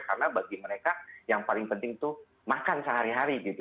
karena bagi mereka yang paling penting itu makan sehari hari gitu